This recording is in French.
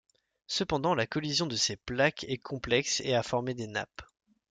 Cependant la collision de ces plaques est complexe et a formé des nappes.